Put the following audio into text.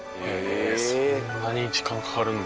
そんなに時間かかるんだ。